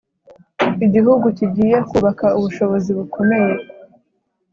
Igihugu kigiye kubaka ubushobozi bukomeye